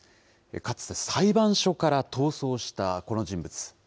かつて裁判所から逃走したこの人物。